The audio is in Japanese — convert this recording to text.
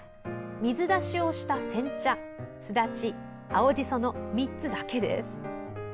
水出しをした煎茶すだち、青じその３つだけです。